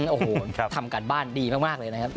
โอ้โหทำการบ้านดีมากเลยนะครับ